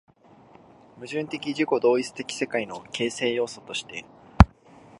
矛盾的自己同一的世界の形成要素として